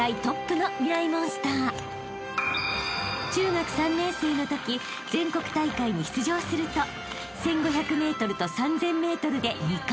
［中学３年生のとき全国大会に出場すると１５００ｍと３０００ｍで２冠達成］